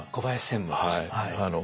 はい。